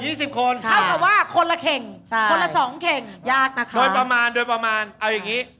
เข้ากับว่าคนละเข่งคนละสองเข่งยากนะคะโดยประมาณเอาอย่างงี้